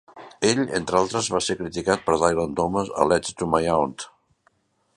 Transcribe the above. Ell, entre altres, va ser criticat per Dylan Thomas a 'Letter to my Aunt'.